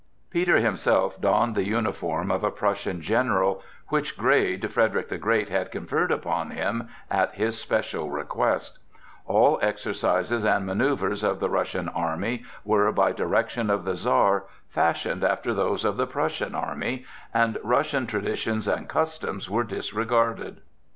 Peter himself donned the uniform of a Prussian general, which grade Frederick the Great had conferred upon him at his special request; all exercises and manœuvres of the Russian army were, by direction of the Czar, fashioned after those of the Prussian army, and Russian traditions and customs were disregarded.